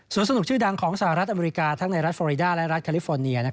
สนุกชื่อดังของสหรัฐอเมริกาทั้งในรัฐฟอริดาและรัฐแคลิฟอร์เนีย